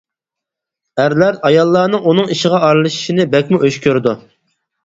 ئەرلەر ئاياللارنىڭ ئۇنىڭ ئىشىغا ئارىلىشىشىنى بەكمۇ ئۆچ كۆرىدۇ.